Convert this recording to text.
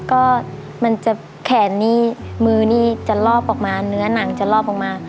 ก็มันจะแขนนี่มือนี่จะรอบออกมาเนื้อหนังจะรอบออกมา